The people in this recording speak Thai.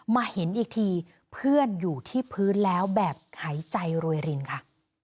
มาเห็นอีกทีเพื่อนอยู่ที่พื้นแล้วแบบหายใจรวยรินค่ะ